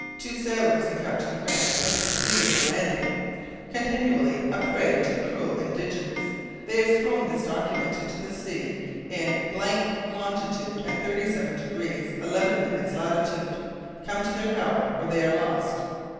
Two sailors and Captain Grant have succeeded in landing. Continually a prey to cruel indigence, they have thrown this document into the sea in longitude and 37 degrees 11' latitude. Come to their help, or they are lost.)